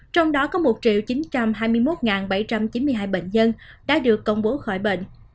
trong đó có một chín trăm hai mươi một bảy trăm chín mươi hai bệnh nhân đã được công bố khỏi bệnh